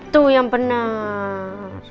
tuh yang bener